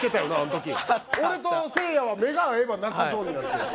俺とせいやは目が合えば泣くゾーンになってた。